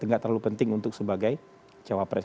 nggak terlalu penting untuk sebagai cawapres